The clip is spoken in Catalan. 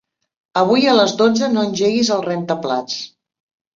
Avui a les dotze no engeguis el rentaplats.